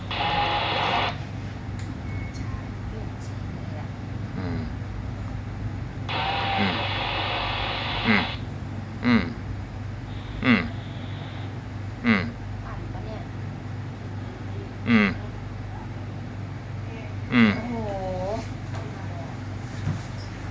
แป๊บหนึ่ง